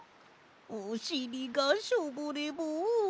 おしりがショボレボン。